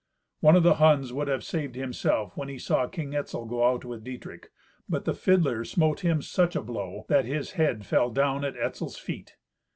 One of the Huns would have saved himself when he saw King Etzel go out with Dietrich, but the fiddler smote him such a blow that his head fell down at Etzel's feet.